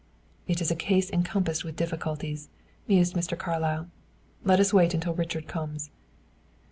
"It is a case encompassed with difficulties," mused Mr. Carlyle. "Let us wait until Richard comes."